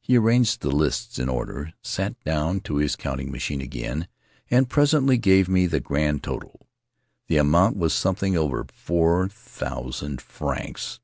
He arranged the lists in order, sat down to his counting machine again, and presently gave me the grand total. The amount was something over four thousand francs.